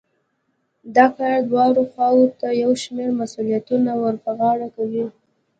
دا کار دواړو خواوو ته يو شمېر مسوليتونه ور په غاړه کوي.